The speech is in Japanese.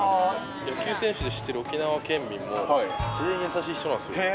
野球選手で知ってる沖縄県民も、全員優しい人なんですよ。